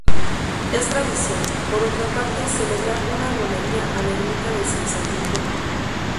Es tradición, por otra parte, celebrar una romería a la ermita de San Saturio.